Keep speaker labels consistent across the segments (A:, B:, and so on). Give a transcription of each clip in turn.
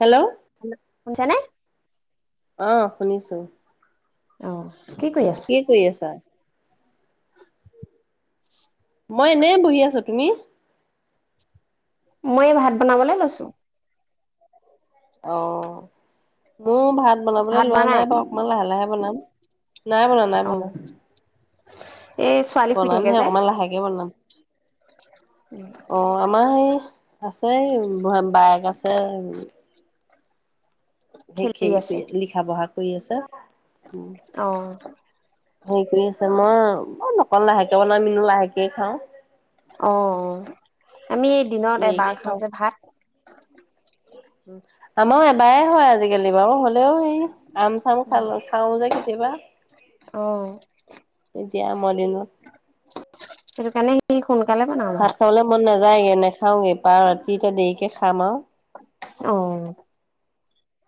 A: Hello.
B: শুনিছানে?
A: অহ শুনিছো ।
B: অ'। কৰি আছে?
A: কি কৰি আছা? মই এনেই বহি আছো। তুমি?
B: মই এই ভাত বনাবলে লৈছো ।
A: অ'। মোৰ ভাত বনাবলৈ লোৱা নাই বাৰু। অকমান লাহে- লাহে বনাম। নাই বনা, নাই বনোৱা।
B: এই ছোৱালী শুই থাকে
A: বনামহে
B: যে,
A: অকমান লাহেকে বনাম অ আমাৰ সেই আছেই বায়েক আছে। ত সেই
B: খেলি আছে।
A: সেই লিখা বহাত কৰি আছা
B: অ',
A: হে কৰি আছে মই অকণ লাহেকে বনোৱা মিনো লাহেকে খাওঁ।
B: অ আমি দিনত এবাৰ খাওঁ যে ভাত। [inaudible]
A: আমাৰ এবাৰে হয় আজিকালি বাৰু হলেও হেই আম চাম খাল খাও যে কেতিয়াবা
B: অ',
A: এতিয়া আমৰ দিনত
B: সেইটো কাৰণে সি সোনকালে বনাও
A: ভাত খাবলৈ মন নাযায়গে নাখাওগে পাৰ ৰাতি এতিয়া দেৰিকে খা খাম আৰু
B: অ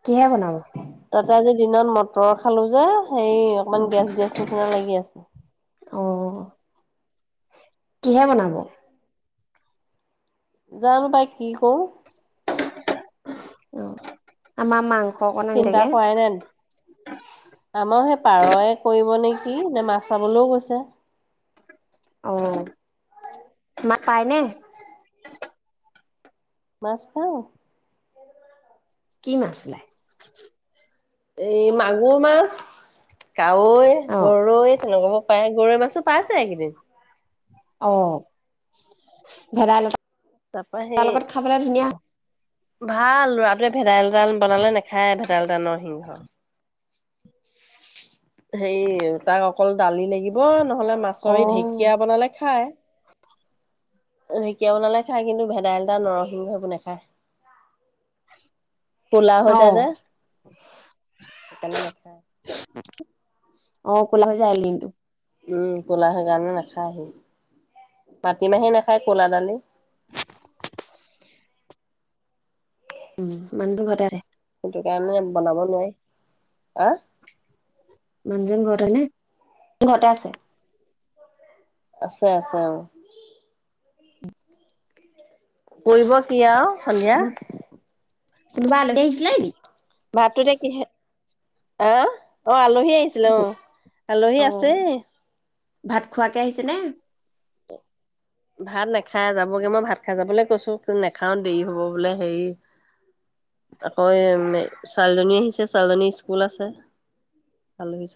B: কি বনাব
A: তাতে আজি দিনত মটৰ খালো যে। সেই অকমান গেছ গেছ নিচিনা লাগি আছে।
B: অ' কিহে বনাব
A: জানো পাই কি কৰো।
B: অ আমাৰ মাংস অকণ
A: চিন্তা
B: আনিলেগে।
A: কৰাই ন আমাৰ সেই পাৰয় কৰিব নেকি। কি নে মাছ চাবলৈও গৈছে
B: অ মাছ পাইনে
A: মাছ পাওঁ
B: কি মাছ উলাই।
A: এই মাগুৰ মাছ, কাৱৈ,
B: অ'
A: গৰৈ, তেনেকুৱাবোৰ পায় গৰৈ মাছো পাইছে এইকেইদিন।
B: অ ভেধাইলতা
A: তাৰপা সেই
B: তাৰ লগত খাবলৈ ধুনীয়া
A: ভাল লৰাটোৱে ভেধাইলতা জাল বনালে নেখায় আৰু [unintelligible] নৰসিংহ হেই তাক অকল দালি লাগিব ন, হ'লে মাছৰ
B: অ'
A: ঢেকীয়া বনালে খায়। ঢেকীয়া বনালে খায় কিন্তু ভেদাইলতা নৰসিংহবোৰ নাখায়। কোলা হৈ যায়
B: অ'
A: যে সেইকাৰ নেখায়।
B: অ কোলা হৈ যায় লিংটো
A: উম ক'লা সেইকাৰণে নাখায় আহি পাতিমাহে নাখায় ক'লা দালি
B: উম মানুতো ঘতে আথে
A: সেইটো কাৰণে বনাব নোৱাৰি আ
B: মানুজন ঘৰতে নে ঘৰতে আছে
A: আছে আছে অ কৰিব কি আৰু সন্ধিয়া
B: কোনো কোনোবা আলহী আহিছিলে নি
A: ভাতটো এতিয়া কিহে আ অ আলু আলহী আহিছিল অ আলহী
B: অ
A: আছে
B: ভাত খোৱাকে আহিছে নে
A: ভাত নাখাই যাবগে মই ভাত খাই যাবলৈ কৈছো নাখাও দেৰি হ'ব বোলে হেৰি আকৌ এম এ ছোৱালীজনী আহিছে ছোৱালীজনী স্কুল আছে আলহি আছে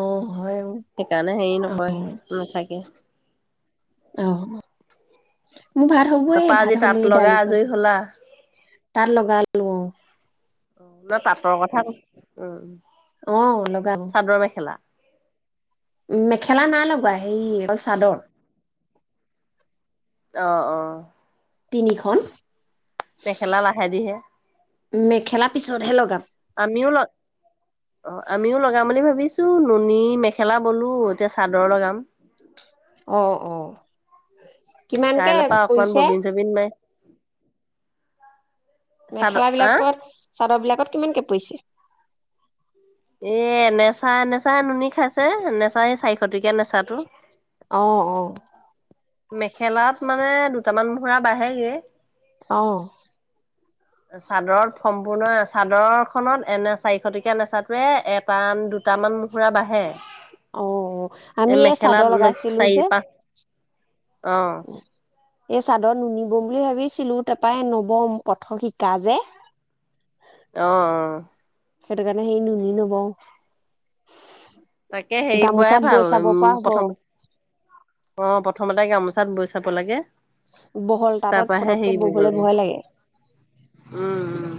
B: অ হয় অ।
A: হেৰি নকৰে নাথাকে
B: অ মোৰ ভাত
A: তাৰপা
B: হ'বয়ে
A: আজি
B: ভাত
A: তাঁত
B: হলে
A: লগা
B: দালিকন
A: আজৰি হলা
B: তাত লগালো অ
A: ন তাতৰ কথা উম
B: অ লগাব
A: চাদৰ মেখেলা
B: উ মেখেলা না লগোৱা সেৰি চাদৰ
A: অ অ
B: তিনিখন
A: মেখেলা লাহেদিহে
B: মেখেলা পিছতহে লগাম
A: আমিও লগ অ আমিও লগাম বুলি ভাবিছো নুনী মেখেলা বলো এতিয়া চাদৰ লগাম
B: অ অ কিমানকে
A: তাইল পা অকমান
B: পৰিছে
A: ববিন চবিন মায়ে চাদৰ
B: মেখেলা
A: আহ
B: বিলাকত চাদৰ বিলাকত কিমানকে পৰিছে
A: এ এনেচা এনেচা নচা নুনি খাইছে নেচা চাৰিশ টকীয়া নেচাটো
B: অ অ
A: মেখেলাত মানে দুটামান মুহূৰা বাঢ়েগে
B: অ
A: চাদৰত সম্পূৰ্ণ চাদৰ খনত এনে চাৰিশটকীয়া নেচাটোৱে এটান দুটামান মুহূৰা বাঢ়ে
B: অ
A: এ
B: আমি এই
A: মেখেলাত
B: চাদৰ
A: লৈ
B: লগাইছিলো
A: চাৰি
B: যে
A: পাঁচ অ
B: এই চাদৰ নুনি বম বুলি ভাবিছিলো তাৰপৰা এই নবম প্ৰথম শিকা যে
A: অহ-অহ।
B: সেইটো কাৰণে সেই নুনি নবওঁ
A: তাকে হেৰি বোৱাই ভাল। উম,
B: হ'ব
A: প্ৰথমতে অহ, প্ৰথম প্ৰথমতে গামোচাত বৈ চাব লাগে।
B: বহল
A: তাৰ
B: তাঁতত
A: পৰাহে
B: পতককে
A: হেৰি বব
B: ববলে ভয় লাগে।
A: উম উম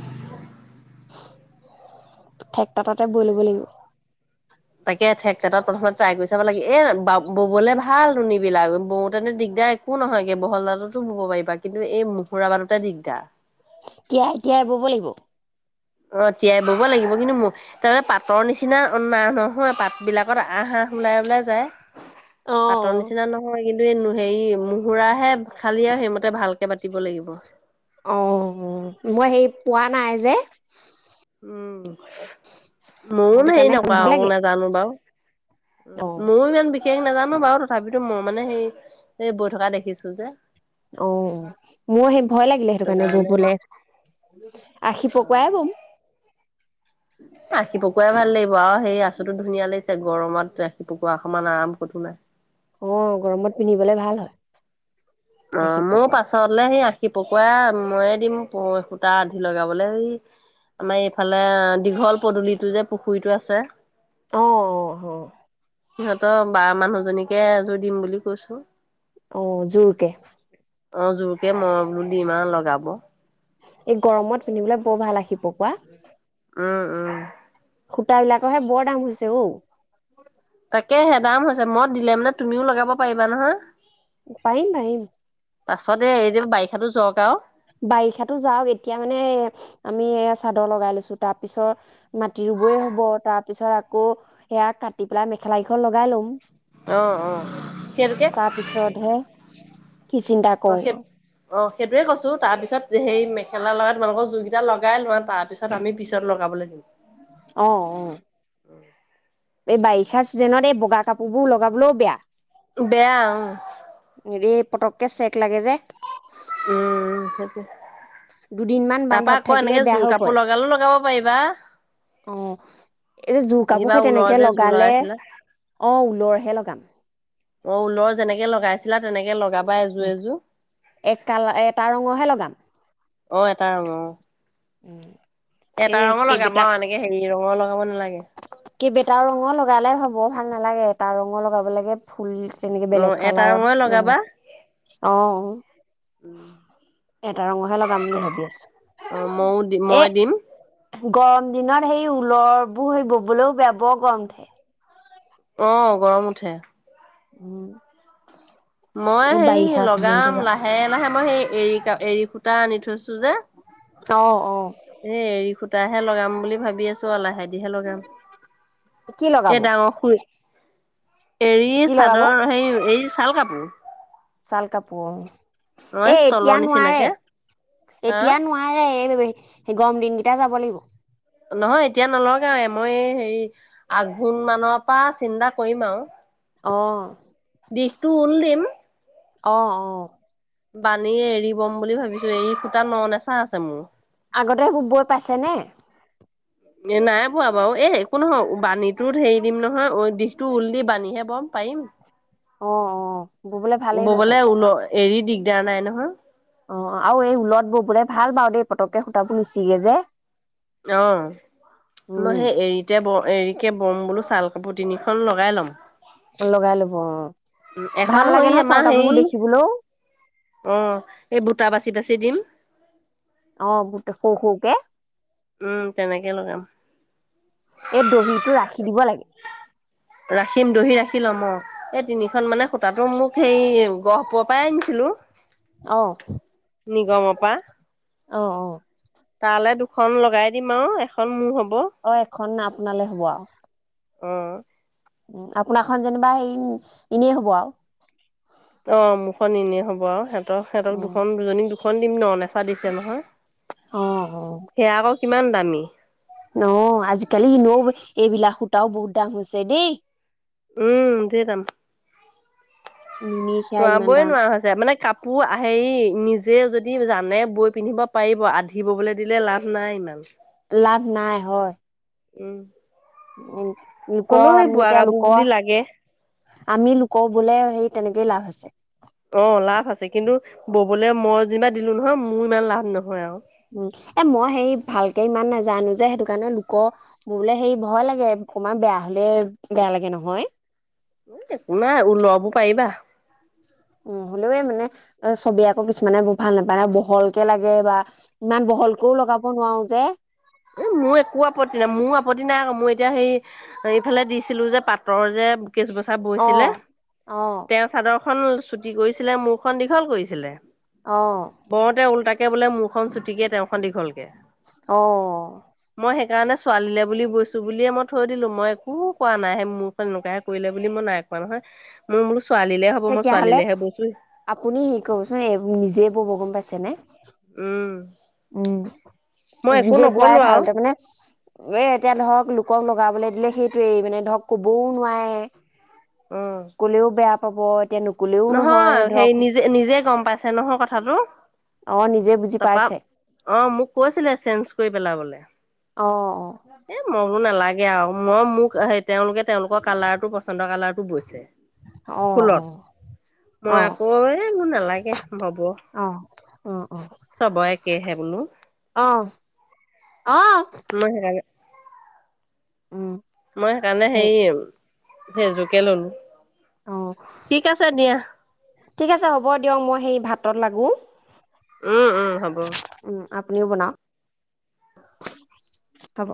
B: ঠেক তাঁততে বৈ ল'ব লাগিব।
A: তাকে থেক তাঁত প্ৰথমতে ট্ৰায় কৰি চাব চাব লাগে এ ববলে ভালতুন নুনি বিলাক, বওঁতে দিগদাৰ একো নহয়গে বহলদালতো বব পাৰিবা কিন্তু এই মহুৰা বাটোতে দিগদাৰ।
B: তিয়াই-তিয়াই বব লাগিব।
A: অহ তিয়াই বব লাগিব। কিন্তু ম তাৰ মানে পাটৰ নিচিনা নাই ন নহয় পাতবিলাকত আঁহ-আঁহ ওলাই-ওলাই যায়।
B: অ
A: পাতৰ নিচিনা নহয়, কিন্তু এই হেৰি মুহুৰাহে খালি আৰু সেইমতে ভালকে বাটি দিব লাগিব।
B: অহ, মই সেই পোৱা নাই যে।
A: উম। ময়ো
B: সেইটো
A: নো হেৰি
B: কাৰণে
A: নকৰা
B: ভয়
A: আৰু
B: লাগে
A: নাজানো বাৰু। উম,
B: অ
A: ময়ো ইমান বিশেষ নাজানো বাৰু। তথাপিতো মই মানে সেই এই বৈ থকা দেখিছো যে।
B: অহ, মোৰ সেই ভয় লাগিলে সেইটো কাৰণে ববলে। আশী পকুৱাই বম।
A: আখি পকুৱাই ভাল লাগিব আৰু সেই আচোতো ধুনীয়া লাগিছে গৰমত আখি পকোৱা সমান আৰাম কতো নাই।
B: অহ, গৰমত পিন্ধিবলৈ ভাল হয়।
A: অহ,
B: আশী
A: মোৰ
B: পকোৱা
A: পাছ হে আঁশি সি পকৰা ময়ে দিম সূতা আধি লগাবলে। এই আমাৰ এইফাল দীঘল পদূলিটো যে পুখুৰীটো আছে।
B: অহ-অহ-অহ।
A: সিহঁতৰ বা মানুহজনীক [unintelligible] এজোৰ দিম বুলি কৈছো।
B: অহ, জুৰকে।
A: অহ, জোৰকে মই বোলো দিম আৰু লগাব।
B: এই গৰমত পিন্ধিবলৈ বৰ ভাল আঁশি পকোৱা।
A: উম-উম।
B: খুটা বিলাকৰহে বৰ দাম হৈছে ঔ।
A: তাকেহে ডাম হৈছে মই দিলে মানে তুমিও লগাব পাৰিবা নহয়?
B: পাৰিম পাৰিম
A: পাছত এ যে বাৰিষাটো যাওক [unintelligible]
B: বাৰিষাটো যাওক, এতিয়া মানে আমি এয়া চাদৰ লগাই লৈছো তাৰ পিছত মাটি ৰুবই হব তাৰ পিছত আকৌ সেয়া কাটি পেলাই মেখেলা কেইখন লগাই লম।
A: অ অ সেইটোকে
B: তাৰপিছতহে, কি চিন্তা কৰো আৰু।
A: সেইটোৱেই কৈছো তাঁত তাৰপিছত সেই মেখেলা লগাই তোমালোকৰ জোৰ কেইটা লগাই লোৱা তাৰপিছত আমি পিছত লগাবলৈ দিম।
B: আহ, অ। এই বাৰিষা চিজনত এই বগা কাপোৰ বোৰ লগাবলৈও বেয়া।
A: বেয়া।
B: এই পতককে চেক লাগে যে।
A: উম সেইটো।
B: দুদিন মান
A: তাৰপা
B: বান্ধত
A: আকৌ
B: থাকিলে
A: এনেকে
B: বেয়া
A: জোৰ
B: হৈ
A: কাপোৰ
B: পৰে,
A: লগালেও লগাব পাৰিবা।
B: অ এই যে জোৰ
A: এইবাৰ
B: কাপোৰহে
A: ঊলৰ
B: তেনেকে
A: যে জোৰ
B: লগালে
A: লগাইছিলা
B: অ। লৈ'হে লগাম।
A: অ, ঊলৰ যেনেকে লগাইছে। তেনেকে লগাব।
B: এক কালাৰ, এটা ৰঙৰহে লগাম।
A: অ এটা ৰঙৰ অ
B: উম ।
A: এটা ৰঙৰ লগাম আৰু এনেকে হেৰি। ৰঙৰ লগাব নালাগে।
B: কেইবটাও ৰঙৰ লগালে বৰ ভাল নালাগে, এটা ৰঙৰ লগাব লাগে ফুল। তেনেকে
A: অ
B: বেলেগ
A: এটা
B: কালাৰৰ,
A: ৰঙৰে লগাবা
B: অ এটা ৰঙৰহে লগাম বুলি ভাবি আছো
A: অ মইও দি
B: এ।
A: মই দিম
B: গৰম দিনত সেই ঊলৰবোৰ সেই গ। বোলও বয়া বৰ গৰম উঠে।
A: অ, গৰম উঠে।
B: উম।
A: মই
B: এই
A: হে
B: বাৰিষা চিজনটো
A: লগাম
B: যে
A: লাহে লাহে মই সেই। এৰি সূতা আনি থৈছো যে।
B: অ অ।
A: এ, এৰি সূতাহে লগাম বুলি ভাবি আছো আৰু লাহেদিহে লগাম।
B: কি লগাব
A: এ ডাঙৰ খু। এৰি
B: কি লগাব
A: চাদৰ হে এইৰি। ছাল কাপোৰ।
B: চাল কাপোৰ অ। এ,
A: নইচ তলৰ
B: এতিয়া নোৱাৰে
A: নিচিনাকে হা
B: এতিয়া নোৱাৰে এই। সেই গৰম দিনকেইটাই যাব লাগিব।
A: নহয় এতিয়া নলগাও এ, মই হেৰি আঘোণ মানৰ পৰা চিন্তা কৰিম আৰু।
B: অঁ।
A: দিশ তো ঊল দিম।
B: অ অ।
A: বানীয়ে এৰি বম বুলি ভাবিছো, এৰি খুটা ন নেচা আছে মোৰ।
B: আগতে বৈ পাইছে নে?
A: এ, নাই পোৱা বাৰু এ একো নহয় বাণীটোত হেৰি দিম নহয় দিশটো ঊল দি বানীহে বম পাৰিম।
B: অ অ, ববলে ভালেই হয়
A: ববলে
B: চাগে।
A: ঊল এৰি দিগদাৰ নাই নহয়
B: অ আৰু এই ঊলত ব বোলে ভাল বাৰু দেই পতককে সূতাবোৰ নিছিগে যে
A: অ মই
B: উম
A: সেই এৰীতে ব এৰিকে বম বোলো চাল আকৌ তিনিখন লগাই ল'ম
B: লগাই ল'ব অ ভাল
A: এখন
B: লাগে
A: হৈ
B: নহয় ছাল
A: আমাৰ হে
B: কাপোৰবোৰ
A: ই
B: দেখিবলৈও
A: সেই বুটা বাচি বাচি ছিলম
B: অ গোট শু শুক
A: উম তেনেকে লগাম
B: এই দহিটো ৰাখি দিব লাগে
A: ৰাখিম দহি ৰাখি ল'ম অ এই তিনিখন মানে সূতা টো মোক সেই গহপৰ পৰাই আনিছিলো
B: আহ
A: নিগমৰ পৰা
B: অ অ
A: তালে দুখন লগাই দিম আৰু এখন মোৰ হ'ব
B: অ খ ন আপোনালৈ হ'ব আৰু
A: অ
B: উ আপোনাৰ খন যেনিবা হেই এনেই হ'ব আৰু
A: অ মুখ এনেই হ'ব আৰু সা ত সহঁত
B: উম
A: দুজনী দিম ন দিছে নহয়
B: অ
A: সেয়া আকৌ কিমান নামি
B: অ আজিকালি এনেও এইবিলাক সূতাও বহুত দাম হৈছে দেই
A: উম যিদাম
B: নুনী সেয়া ইমান
A: তোৱাবই
B: দাম
A: নোৱাৰা হৈছে মানে কাপ কাপোৰ হেৰি নিজে যদি জানে বৈ পিন্ধিব পাৰিব আধিবলৈ দিলে লাভ নাই ইমান
B: লাভ নাই হয়
A: উম
B: উ
A: হ'লও সেই বোৱা কাপোৰ বুলি লাগে
B: আমি লোক বোলে হেই তেনেকেই লাভ আছে
A: অ লাভ আছে কিন্তু ববলৈ মই যিমান দিলো নহয় মোৰ ইমান লাভ নহয় আৰু
B: উ এ মই হে ভালকে ইমান নাজানো যে সেইটো কাৰণে লোকোৰ বোলে হে ভয় লাগে অকমমান বেয়া হলে বেয়া লাগে নহয়
A: একো নাই ও লব পাৰিবা
B: উ হ'লেওৱ মানে চবি আকৌ কিছুমানে ভাল নাপায় বহলকে লাগে বা ইমান বহলকেও লগাব নোৱাৰো যে
A: এ মোৰ একো আপত্তি নাই মোৰ আপত্তি নাই আকৌ মই এতিয়া সেইফালে দিছিলো যে পাটৰ যে কেছ বছা হৈছিলে
B: অ', অ',
A: তেওঁ ছাদৰ খন চুটি কৰিছিলে মোৰখন দীঘল কৰিছিলে
B: অ',
A: বৰতে ওলটাকে তাকে বোলে মুৰখন চুটিকৈ তেওঁৰখন দীঘলকৈ
B: অ
A: মই সেই কাৰণে ছোৱালীলে বুলি বৈছো বুলিয়ে মই থৈ দিলো মই একো কোৱা নাই মোৰ পৰা এনেকোৱা হে কৰিলে বুলি মই নাই কোৱা নহয় মই ছোৱালীলে হ'ব
B: তেতিয়াহ'লে
A: ছোৱালীলেহে বৈছো
B: আপুনি হে কবচোন নিজে বব গম পাইছে আছেনে
A: উম
B: উম
A: মই একো
B: নিজে বোৱাই
A: নকলো
B: ভাল
A: আৰু
B: তাৰ মানে এ এতিয়া ধৰক লোকক লগাবলৈ দিলে সেইটোৱেই মানে ধৰক কবও
A: অ'।
B: নোৱাৰে কলেও বেয়া পাই খবত
A: নহয় হেৰি নিজে নিজে গম পাইছে নহয় কথা হেল্ল'
B: অ নিজে বুজি
A: তাৰপা
B: পাইছে
A: অ মোক কৈছিলে চেঞ্জ কৰি পেলাবলে
B: অ অ
A: সে আও মই মোক তেওঁলোকে তেওঁলোকৰ কালাৰটো পচন্দৰ কালাৰ টো বৈছে ফুলত
B: অহ
A: মই আকৌ এ মো নালাগে হব
B: অ অ
A: চবৰে একেহে বোলো
B: অ অ অ অ
A: মেৰা হয়
B: উম
A: মই সেইকাৰণে
B: সেই
A: হেৰি সেইযোকে ললো
B: অ
A: ঠিক আছে দিয়া
B: ঠিক আছে হ'ব দিয়ক মই সেই ভাতত লাগো
A: উম উম হ'ব
B: উম আপুনিও বনাওক হব